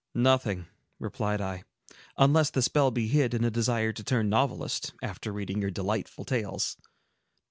"Nothing," replied I, "unless the spell be hid in a desire to turn novelist, after reading your delightful tales."